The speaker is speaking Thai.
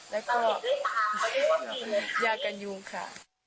แล้วก็มียากันยุงค่ะ